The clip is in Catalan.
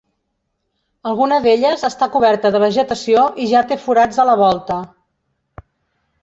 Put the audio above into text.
Alguna d'elles està coberta de vegetació i ja té forats a la volta.